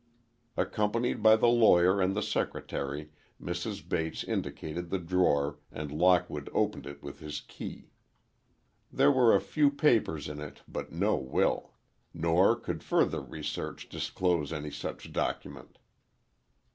Accompanied by the lawyer and the secretary, Mrs. Bates indicated the drawer, and Lockwood opened it with his key. There were a few papers in it but no will. Nor could further search disclose any such document.